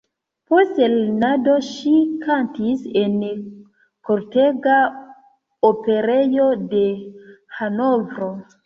Post lernado ŝi kantis en kortega operejo de Hanovro.